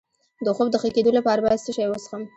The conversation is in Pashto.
د خوب د ښه کیدو لپاره باید څه شی وڅښم؟